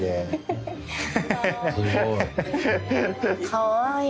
かわいい！